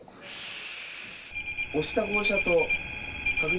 押した号車と確認